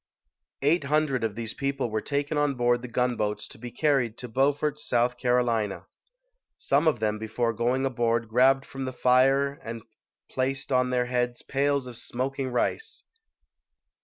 Eight hundred of these people were taken on board the gunboats to be carried to Beaufort, S. C. Some of them be fore going aboard grabbed from the fire and placed on their heads pails of smoking rice.